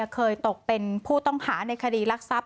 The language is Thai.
เคยตกเป็นผู้ต้องหาในคดีรักทรัพย